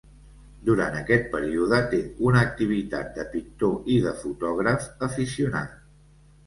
Durant aquest període, té una activitat de pintor i de fotògraf aficionat.